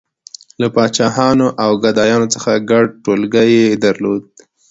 • له پاچاهانو او ګدایانو څخه ګډ ټولګی یې درلود.